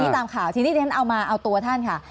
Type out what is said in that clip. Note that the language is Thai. อันนี้ตามข่าวทีนี้ท่านเอามาเอาตัวท่านค่ะ